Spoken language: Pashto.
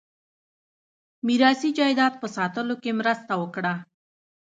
میراثي جایداد په ساتلو کې مرسته وکړه.